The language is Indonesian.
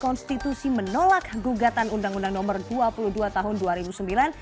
konstitusi menolak gugatan undang undang nomor dua puluh dua tahun dua ribu sembilan